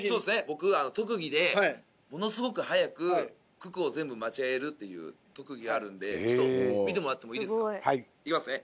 僕特技でものすごく速く九九を全部間違えるという特技があるのでちょっと見てもらってもいいですかいきますね